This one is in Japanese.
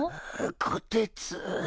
こてつ。